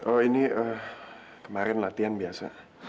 oh ini kemarin latihan biasa